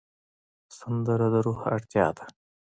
سندره د روح اړتیا ده